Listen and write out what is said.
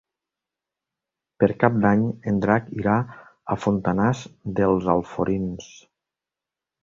Per Cap d'Any en Drac irà a Fontanars dels Alforins.